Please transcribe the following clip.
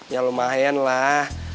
ya lumayan lah